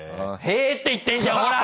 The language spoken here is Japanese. へえって言ってんじゃんほら。